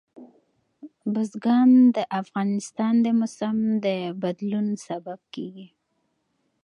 بزګان د افغانستان د موسم د بدلون سبب کېږي.